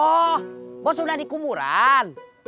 oh bos udah di kumuran